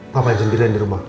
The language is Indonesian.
ngapain sendirian di rumah